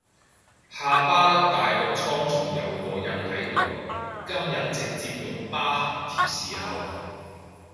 下巴粒大毒瘡仲有個印喺度，今日直接用疤痕貼侍候